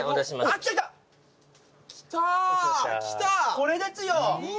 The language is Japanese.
これですよ。